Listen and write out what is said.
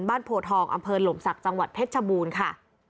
บ้านโพทองอำเภิลหลมศักดิ์จังหวัดเทศชะบูนค่ะ